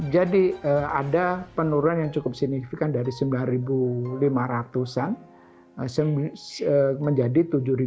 jadi ada penurunan yang cukup signifikan dari sembilan lima ratus an menjadi tujuh seratus